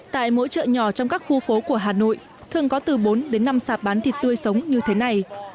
tại mỗi chợ nhỏ trong các khu phố của hà nội thường có từ bốn đến năm sạp bán thịt tươi sống như thế này